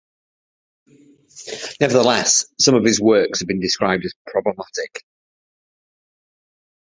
Nevertheless, some of his works have been described as programmatic.